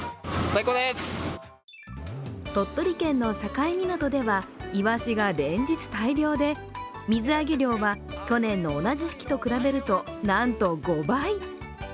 鳥取県の境港ではいわしが連日大漁で水揚げ量は去年の同じ時期と比べるとなんと５倍。